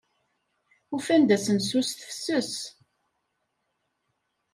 Ufan-d asensu s tefses.